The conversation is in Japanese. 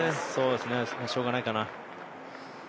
しょうがないかな。